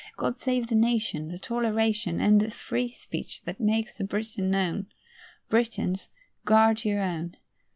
God save the Nation, The toleration, And the free speech that makes a Briton known. Britons, guard your own.